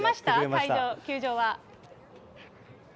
会場、球場は。